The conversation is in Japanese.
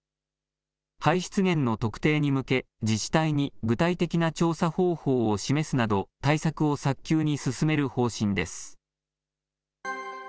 排出源の特定に向け、自治体に具体的な調査方法を示すなど、対策を早急に進める方針です。